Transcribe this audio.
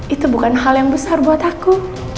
itu bukan hal yang besar buat aku